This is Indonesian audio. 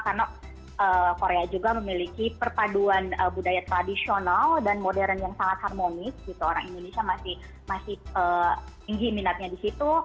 karena korea juga memiliki perpaduan budaya tradisional dan modern yang sangat harmonis gitu orang indonesia masih tinggi minatnya di situ